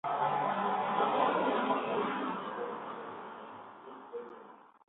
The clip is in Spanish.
El choque de ambas caballerías, casi iguales en efectivo, fue violento.